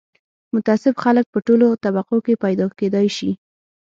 متعصب خلک په ټولو طبقو کې پیدا کېدای شي